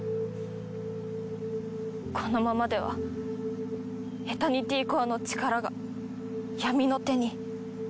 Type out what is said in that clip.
このままではエタニティコアの力が闇の手に。